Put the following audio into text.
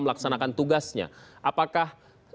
melaksanakan tugasnya apakah